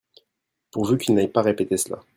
pourvu qu'il n'aille pas répéter cela.